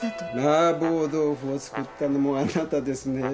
麻婆豆腐を作ったのもあなたですね。